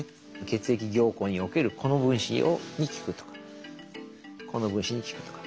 血液凝固におけるこの分子に効くとかこの分子に効くとか。